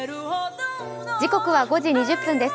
時刻は５時２０分です。